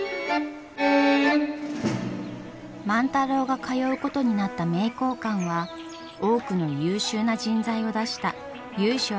万太郎が通うことになった名教館は多くの優秀な人材を出した由緒ある学問所です。